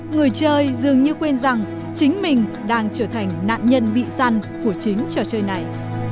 người chơi dường như quên rằng chính mình đang trở thành nạn nhân bị săn của chính trò chơi này